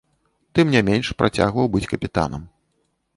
Тым не менш, працягваў быць капітанам.